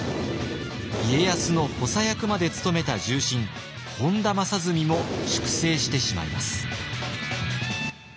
家康の補佐役まで務めた重臣本多正純も粛清してしまいます。